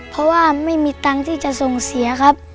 เพราะว่าไม่มีตังค์ที่จะส่งเสียครับ